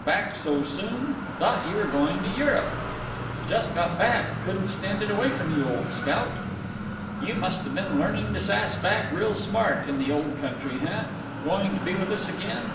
Back so soon? Thought you were going to Europe." "Just got back. Couldn't stand it away from you, old scout!" "You must have been learning to sass back real smart, in the Old Country, heh? Going to be with us again?